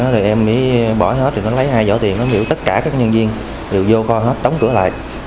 rồi em mới bỏ hết lấy hai vỏ tiền miễn tất cả các nhân viên đều vô kho hết đóng cửa lại